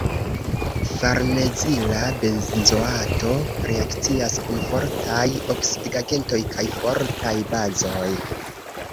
Farnezila benzoato reakcias kun fortaj oksidigagentoj kaj fortaj bazoj.